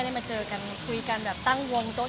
มีปิดฟงปิดไฟแล้วถือเค้กขึ้นมา